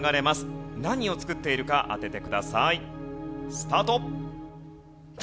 スタート！